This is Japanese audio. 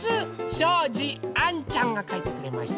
しょうじあんちゃんがかいてくれました。